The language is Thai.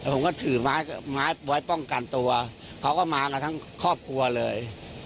ผมก็ถือไม้ไว้ป้องกันตัวเขาก็มากันทั้งครอบครัวเลย